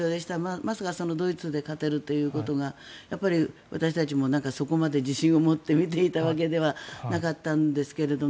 まさかドイツに勝てるということがやっぱり私たちもそこまで自信を持って見ていたわけではなかったんですけどね。